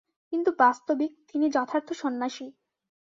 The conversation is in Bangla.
কিন্তু বাস্তবিক তিনি যথার্থ সন্ন্যাসী।